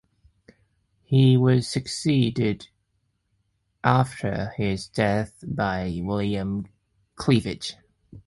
He was succeeded after his death by William Cleaver.